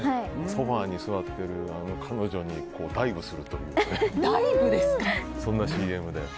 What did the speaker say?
ソファに座っている彼女にダイブするというそんなＣＭで。